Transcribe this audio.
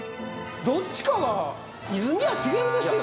どっちかが泉谷しげるですよ